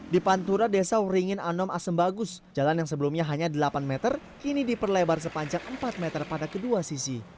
di pantura desa wringin anom asem bagus jalan yang sebelumnya hanya delapan meter kini diperlebar sepanjang empat meter pada kedua sisi